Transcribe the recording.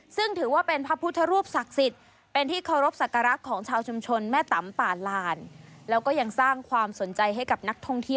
ซึ่งถือว่าเป็นพระพุทธรูปศักดิ์สิทธิ์